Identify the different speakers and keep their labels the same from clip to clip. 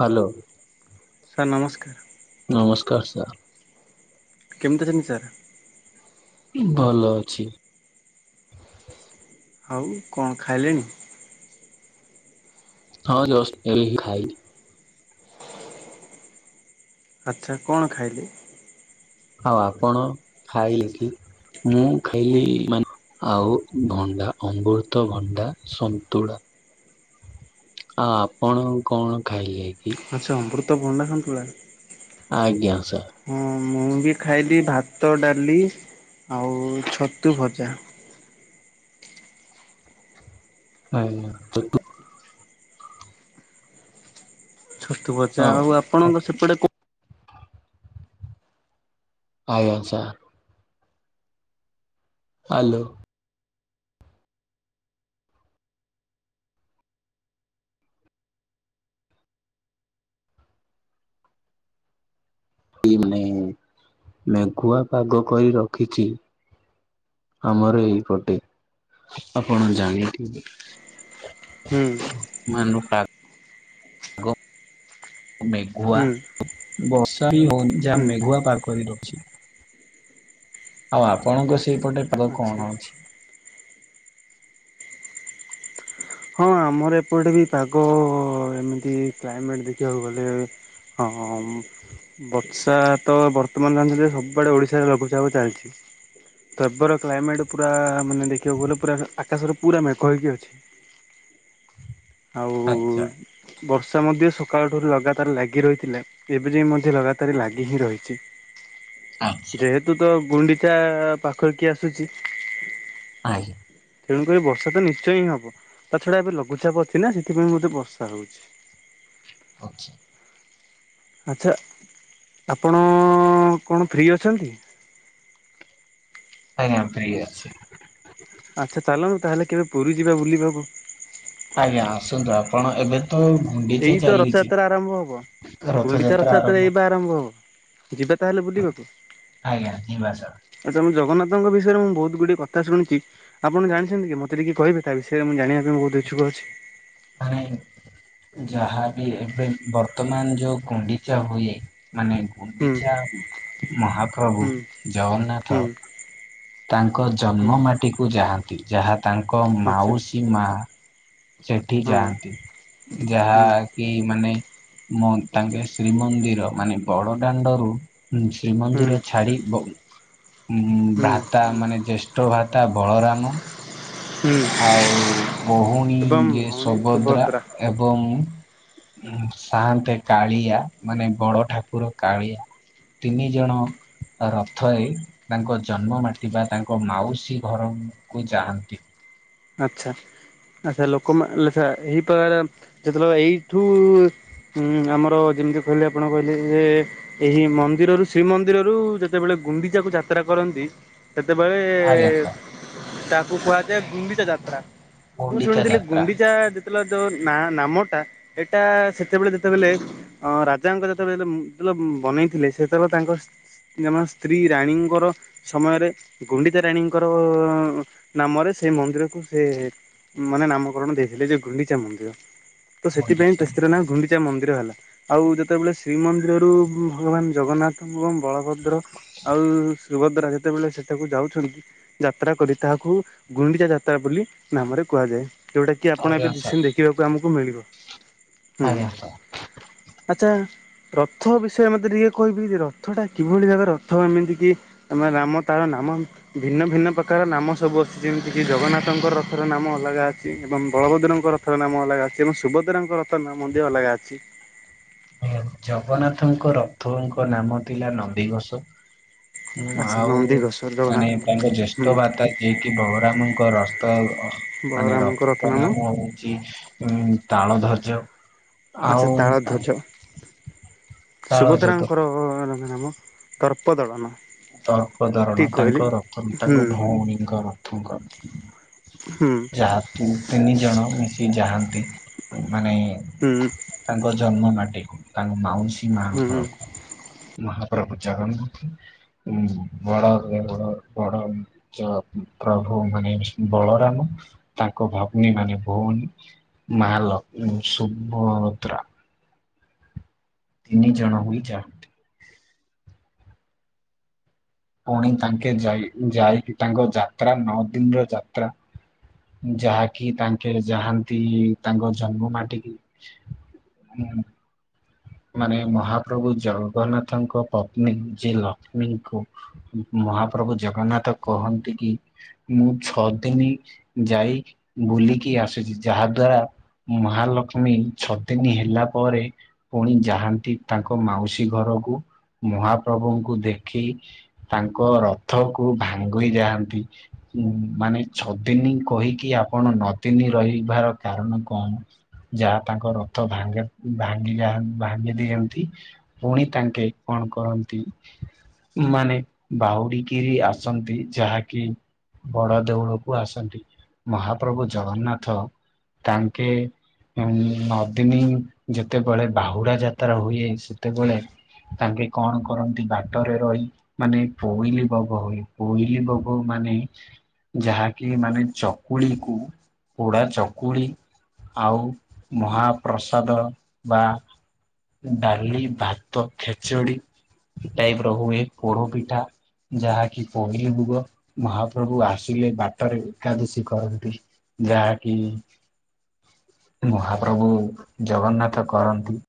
Speaker 1: Hello.
Speaker 2: Sir ନମସ୍କାର।
Speaker 1: ନମସ୍କାର sir.
Speaker 2: କେମିତି ଅଛନ୍ତି ସାର?
Speaker 1: ଭଲ ଅଛି।
Speaker 2: ଆଉ କଣ ଖାଇଲେଣି?
Speaker 1: ହଁ ଜଷ୍ଟ ଏଇ ଖାଇଲି।
Speaker 2: ଆଚ୍ଛା କଣ ଖାଇଲେ?
Speaker 1: ଆଉ ଆପଣ ଖାଇଲେ କି? ମୁଁ ଖାଇଲି ମାନ ଆଉ ଭଣ୍ଡା ଅମୃତ ଭଣ୍ଡା ସନ୍ତୁଳା। ଆଉ ଆପଣ କଣ ଖାଇଲେ? କି?
Speaker 2: ଆଚ୍ଛା ଅମୃତ ଭଣ୍ଡା ସନ୍ତୁଳା।
Speaker 1: ଆଜ୍ଞା ସାର୍।
Speaker 2: ଇ, ଖାଇଲି ଭାତ, ଡାଲି ଆଉ ଛତୁ ଭଜା।
Speaker 1: ନାଇ ନା ଛତୁ
Speaker 2: ଛତୁ ଭଜା ଆଉ ଆପଣଙ୍କ ସେପଟେ କୋ
Speaker 1: ଆଜ୍ଞା ସା ହାଲୋ। ଇ- ମେ- ମେଘୁଆ ପାଗ କରି ରଖିଛି । ଆମର ଏଇପଟେ, ଆପଣ ଜାଣିଥିବେ
Speaker 2: ହୁଁ
Speaker 1: ମାନୁ ଟା ଗୋ ମେଘୁଆ
Speaker 2: ହୁଁ
Speaker 1: ବର୍ଷା ହି ହଉନି ଯାହା
Speaker 2: ହୁଁ
Speaker 1: ମେଘୁଆ ପାଗ କରି ରଖିଛି । ଆଉ ଆପଣଙ୍କ ସେଇପଟେ ପାଗ
Speaker 2: ଆଚ୍ଛା।
Speaker 1: କଣ ଅଛି?
Speaker 2: ହଁ ଆମର ଏପଟେ ବି ପାଗ ଏମିତି, କ୍ଲାଇମେଟ୍ ଦେଖିବାକୁ ଗଲେ ହଁ। ବର୍ଷା ତ ବର୍ତ୍ତମାନ ଜାଣିଛ ଯେ ସବୁଆଡ଼େ ଓଡ଼ିଶାରେ ଲଘୁଚାପ ଚାଲିଛି । ତେବର କ୍ଲାଇମେଟ୍ ପୁରା ମାନେ ଦେଖିବାକୁ ଗଲେ ପୁରା ହ- ଆକାଶରେ ପୁରା ମେଘ ହେଇକି ଅଛି। ଆଉ
Speaker 1: ଆଚ୍ଛା
Speaker 2: ବର୍ଷା ମଧ୍ୟ ସକାଳଠୁରୁ ଲଗାତାର ଲାଗି ରହିଥିଲା। ଏବେ ଯାଏ ମଧ୍ୟ ଲଗାତାର ଲାଗି ହିଁ ରହିଛି
Speaker 1: ଆଚ୍ଛା
Speaker 2: । ଯେହେତୁ ତ ଗୁଣ୍ଡିଚା ପାଖ କିି ଆସୁଚି।
Speaker 1: ଆଇ
Speaker 2: ତେଣୁକରି ବର୍ଷା ତ ନିଶ୍ଚୟ ହିଁ ହବ। ତା ଛଡ଼ା ଏବେ ଲଘୁଚାପ ଅଛି ନା ସେଥିପାଇଁ ବୋଧେ ବର୍ଷା ହଉଛି ।
Speaker 1: ଅଛି।
Speaker 2: ଆଚ୍ଛା, ଆପଣ କଣ ଫ୍ରି ଅଛନ୍ତି?
Speaker 1: ଆଜ୍ଞା ଫ୍ରି ଅଛି ।
Speaker 2: ଆଚ୍ଛା, ଚାଲନ୍ତୁ ତାହେଲେ କେବେ ପୁରୀ ଯିବା ବୁଲିିବାକୁ?
Speaker 1: ଆଜ୍ଞା ଆସନ୍ତୁ ଆପଣ ଏବେ ତ ଗୁଣ୍ଡିଚା
Speaker 2: ଏଇ ତ
Speaker 1: ଚାଲିଚି।
Speaker 2: ରଥଯାତ୍ରା ଆରମ୍ଭ ହବ। ଗୁଣ୍ଡିଚା
Speaker 1: ରଥଯାତ୍ରା
Speaker 2: ଏଇ
Speaker 1: ଆରମ୍ଭ।
Speaker 2: ବା ହବ ଯିବା ତାହେଲେ ବୁଲିବାକୁ?
Speaker 1: ଆଜ୍ଞା ଯିବା ସାର୍।
Speaker 2: ଆ ତୋମ ଜ ଗନ୍ନାଥଙ୍କ ବିଷୟରେ ମୁଁ ବହୁତ ଗୁଡ଼ିଏ କଥା ଶୁଣିଚି ଆପଣ ଜାଣିଛନ୍ତି କି ମୋତେ ଟିକେ କହିବେ ତା ବିଷୟରେ ମୁଁ ଜଣିବା ପାଇଁ ବହୁତ ଇଛୁ ଛୁକ ଅଛି?
Speaker 1: ନାହିଁ ଯାହାବି ଏବେ ବର୍ତ୍ତମାନ ଯୋଉ ଗୁଣ୍ଡିଚା ହୁଏ। ମାନେ
Speaker 2: ହୁଁ
Speaker 1: ଗୁଣ୍ଡିଚା, ମହାପ୍ରଭୁ
Speaker 2: ହୁଁ
Speaker 1: ଜଗନ୍ନାଥ
Speaker 2: ହୁଁ
Speaker 1: ତାଙ୍କ
Speaker 2: ହୁଁ
Speaker 1: ଜନ୍ମ ମାଟିକୁ ଯାହାନ୍ତି। ଯାହା ତାଙ୍କ
Speaker 2: ଆଚ୍ଛା
Speaker 1: ମାଉସୀ ମା ସେଠି
Speaker 2: ହଁ
Speaker 1: ଯାଆନ୍ତି।
Speaker 2: ହୁଁ
Speaker 1: ଯାହାକି ମା ମାନେ ମ- ତାଙ୍କେ ଶ୍ରୀମନ୍ଦିର ମାନେ ବଡ ଦାଣ୍ଡରୁ
Speaker 2: ହୁଁ
Speaker 1: ଶ୍ରୀମନ୍ଦିର ଛାଡି ଭ- ଉଁ,
Speaker 2: ହୁଁ
Speaker 1: ଭାତା ମାନେ ଜ୍ଯେଷ୍ଠ ଭା ତା ବଳରାମ
Speaker 2: ହୁଁ
Speaker 1: ଆଉ ବହୁଣୀ
Speaker 2: ଏବଂ
Speaker 1: ଯେ
Speaker 2: ଭଉଣୀ
Speaker 1: ସଭଦ୍ରା
Speaker 2: ସୁଭଦ୍ରା
Speaker 1: ଏବଂ ସାଆନ୍ତେ କାଳିଆ, ମାନେ ବଡ ଠାକୁର କାଳିଆ ତିନି ଜଣ ରଥରେ ତାଙ୍କ ଜନ୍ମ ମାଟି ବା ତାଙ୍କ ମାଉସୀ ଘରକୁ ଯାହାନ୍ତି।
Speaker 2: ଆଚ୍ଛା। ଆଚ୍ଛା ଲୋକମା ଲେଛା ଏହି ପ୍ରକାର କେତେଲୋକ ଏଇଠୁ ହୁଁ, ଆମର ଯେମିତି କହିଲେ ଆପଣ କହିଲେ ଯେ ଏହି ମନ୍ଦିରରୁ, ଶ୍ରୀମନ୍ଦିରରୁ ଯେତେବେଳେ ଗୁଣ୍ଡିଚାକୁ ଯାତ୍ରା କରନ୍ତି? ସେତେବେଳେ
Speaker 1: ଆଜ୍ଞା ସାର୍
Speaker 2: ତାକୁ କୁହାଯାଏ, ଗୁଣ୍ଡିଚା ଯାତ୍ରା । ମୁଁ
Speaker 1: ଗୁଣ୍ଡିଚା
Speaker 2: ଶୁଣିଥିଲି
Speaker 1: ଯାତ୍ରା
Speaker 2: ଗୁଣ୍ଡିଚା ଯେତେଲେ ଯୋଉ ନା ନାମଟା ଏଟା, ସେତେବେଳେ ଯେତେବେଳେ ଅ ରାଜାଙ୍କ ଯେତେବେଳେ ବନେଇଥିଲେ, ସେତେବେଳେ ତାଙ୍କ ତାଙ୍କ ସ୍ତ୍ରୀ ରାଣୀଙ୍କର ସମୟରେ, ଗୁଣ୍ଡିଚା ରାଣୀଙ୍କର ନାମରେ ସେ ମନ୍ଦିରକୁ ସେ ମାନେ ନାମକରଣ ଦେଇଥିଲେ ଯେ -ଗୁଣ୍ଡିଚା ମନ୍ଦିର । ତ ସେଥିପାଇଁ
Speaker 1: ଗୁଣ୍ଡିଚା
Speaker 2: ସେଠିର ନା ଗୁଣ୍ଡିଚା ମନ୍ଦିର ହେଲା । ଆଉ ଯେତେବେଳେ ଶ୍ରୀମନ୍ଦିରରୁ, ଭଗବାନ ଜଗନ୍ନାଥଙ୍କୁ ବଳଭଦ୍ର ଆଉ ସୁଭଦ୍ରା ଯେତେବେଳେ ସେଠାକୁ ଯାଉଛନ୍ତି ଯାତ୍ରା କରି, ତାହାକୁ ଗୁଣ୍ଡିଚା ଯାତ୍ରା ବୋଲି ନାମରେ କୁହାଯାଏ। ଯୋଉଟା କିି ଆପଣ
Speaker 1: ଆଜ୍ଞା ସାର୍
Speaker 2: ଏବେ ଦେଖିବାକୁ ଆମକୁ ମିଳିବ । ହୁଁ,
Speaker 1: ଆଜ୍ଞା ସାର୍।
Speaker 2: ଆଛା । ରଥ ବିଷୟ ମତେ ଟିକେ କହିବି କି -ରଥ ଟା କିଭଳି ଭାବରେ ରଥ ଏମିତି କି ଆମ ରାମ ତାର ନାଁ। ଆମ ଭିନ୍ନ ଭିନ୍ନ ପ୍ରକାର ନାମ ସବୁ ଅଛି, ଯେମିତିକି ଜଗନ୍ନାଥ । [unintelligible] ଙ୍କ ରଥର ନାମ ଅଲଗା ଅଛି ଏବଂ ବଳଭଦ୍ରଙ୍କ ରଥର ନାମ ଅଲଗା ଅଛି ଏବଂ ସୁଭଦ୍ରାଙ୍କ ରଥର ନାମ ମଧ୍ୟ ଅଲଗା ଅଛି । ଅଛି ।
Speaker 1: ଜଗନ୍ନାଥଙ୍କ ରଥଙ୍କ ନାମ ଥିଲା ନନ୍ଦିଘୋଷ । ହୁଁ
Speaker 2: ଆଚ୍ଛା
Speaker 1: ଆଉ,
Speaker 2: ନନ୍ଦିଘୋଷ
Speaker 1: ମାନେ
Speaker 2: ଜଗନ୍ନାଥଙ୍କର
Speaker 1: ତାଙ୍କ
Speaker 2: ହୁଁ
Speaker 1: ଜ୍ୟେଷ୍ଠ ଭ୍ରାତା ଯିଏକି ବଗରାମଙ୍କ ରସ୍ଥ ଅ ମାନେ
Speaker 2: ବଳରାମଙ୍କ ରଥ ନାମ
Speaker 1: ରଥପ୍ରଣାମ ହଉଛି ଉ ତାଳ ଧରି
Speaker 2: ଆଚ୍ଛା
Speaker 1: ଆଉ ତା
Speaker 2: ତାଳଧ୍ୱଜ
Speaker 1: ତ
Speaker 2: ସୁଭଦ୍ରାଙ୍କର ନାମ ଦର୍ପ ଦଳନ ।
Speaker 1: ତର୍ପ ଧରଣ, ତାଙ୍କ ରଥ,
Speaker 2: ହୁଁ
Speaker 1: ତାଙ୍କ ଭଉଣୀଙ୍କ ରଥଙ୍କର
Speaker 2: ହୁଁ
Speaker 1: ଯାହା ତିନି ଜଣ ମିଶି ଯାଆନ୍ତି, ମାନେ
Speaker 2: ହୁଁ
Speaker 1: ତାଙ୍କ ଜନ୍ମ ନାଟିକୁ ତାଙ୍କ ମାଉସୀ ମା
Speaker 2: ହୁଁ
Speaker 1: ଘରକୁ [unintelligible] ମହାପ୍ରଭୁ ଜଗନ୍ନାଥେ । ହଁ ବଡ଼ ବଡ଼ ପ୍ରଭୁ ମାନ ବଳରାମ । ତାଙ୍କ ଭଗ୍ନୀ ମାନେ ଭଉଣୀ । ମାଲକ୍ଷ୍ମୀ ସୁଭଦ୍ରା । ତିନି ଜଣ ହୋଇଯାନ୍ତି । ପୁଣି ତାଙ୍କେ ଯାଇ, ଯାଇକି ତାଙ୍କ ଯାତ୍ରା ନଅ ଦିନର ଯାତ୍ରା। ଯାହାକି ତାଙ୍କେ ଯାହାନ୍ତି ତାଙ୍କ ଜନ୍ମ ମାଟିକି । ଏ [unintelligible] ମାନେ ମହାପ୍ରଭୁ ଜଗନ୍ନାଥଙ୍କ ପତ୍ନୀ ଯେ- ଲକ୍ଷ୍ମୀଙ୍କୁ ମହା ମହାପ୍ରଭୁ ଜଗନ୍ନାଥ କହନ୍ତି କି -ମୁଁ ଛଅ ଦିନି ଯାଇ ବୁଲିକି ଆସିଛି, ଯାହା ଦ୍ଵାରା ମହାଲକ୍ଷ୍ମୀ ଛଦିନ ହେଲା ପରେ ପୁଣି ଯାଆନ୍ତି ତାଙ୍କ ମାଉସୀ ଘରକୁ । ମହାପ୍ରଭୁଙ୍କୁ ଦେଖି ତାଙ୍କ ରଥକୁ ଭାଙ୍ଗି ଯାଆନ୍ତି । ମାନେ ଛଦିନି କହିକି ଆପଣ ନଦିନି ରହିବାର କାରଣ କଣ? ଯାହା ତାଙ୍କ ରଥ ଭାଙ୍ଗା ଭାଙ୍ଗି ଯାଆନ୍ତି । ଭାଙ୍ଗି ଦିଅନ୍ତି, ପୁଣି ତାଙ୍କେ କଣ କରନ୍ତି? ମାନେ କାଉଡିକିରି ଆସନ୍ତି ଯାହାକି ବଡ ଦେଉଳକୁ ଆସନ୍ତି ମହାପ୍ରଭୁ ଜଗନ୍ନାଥ । ତାଙ୍କେ ନଦିନି ଯେତେବେଳେ ବାହୁଡ଼ା ଯାତ୍ରା ହୁଏ, ସେତେବେଳେ ତାଙ୍କେ କଣ କରନ୍ତି? ବାଟରେ ରହି ମାନେ ପୋଇଲି ବୋଗ ହୁଏ, ପୋଇଲି ବଗୋ ମାନ ମାନେ ଯାହାକି ମାନେ ଚକୁଳି କୁ, ପୋଡା ଚକୁଳି ଆଉ ମହାପ୍ରସାଦ ବା ଡାଲି, ଭାତ, ଖେଚେଡି ଟାଇପ ର ହୁଏ, ପୋଡ ପିଠା ଯାହାକି ପହିଲି ଭୁଗ, ମହାପ୍ରଭୁ ଆସିଲେ ବାଟରେ ଏକାଦଶୀ କରନ୍ତି । ଯାହାକି ମହାପ୍ରଭୁ ଜଗନ୍ନାଥ କରନ୍ତି।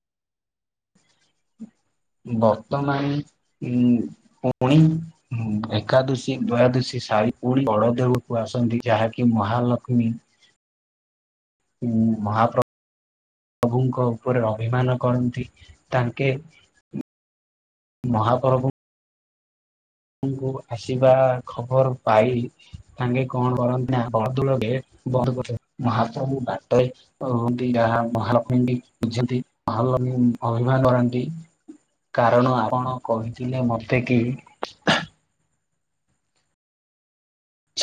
Speaker 1: ବର୍ତ୍ତମାନ ଉ ପୁଣି ଏକାଦଶୀ ଦୟାଦଶୀ ସାଇ ପୁଣୀ ବଡଦେଉଳ କୁ ଆସନ୍ତି ଯାହାକି ମହାଲକ୍ଷ୍ମୀ ହୁଁ ମହାପ୍ରଭୁ ପ୍ରଭୁଙ୍କ ଉପରେ ଅଭିମାନ କରନ୍ତି ତାଙ୍କେ ମହାପର୍ବ। ଆସିବା ଖବର ପାଇ ସାଙ୍ଗେ କଣ କରନ୍ତି ନା ବରଦୂଳ ଗେଟ ବନ୍ଦ କର ମହାପ୍ରଭୁ ବାଟରେ ରୁହନ୍ତି ଯାହା ମହାଲକ୍ଷ୍ମୀ ବି ବୁଝନ୍ତି ମହାଲଷ୍ମୀ [unintelligible] ଅଭିମାନ କରନ୍ତି କାରଣ ଆପଣ କହିଥିଲେ ମତେ କି